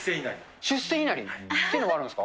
出世いなりっていうのがあるんですか？